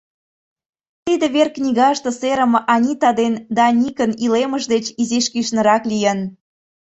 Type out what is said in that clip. Тиде вер книгаште серыме Анита ден Даникын илемышт деч изиш кӱшнырак лийын.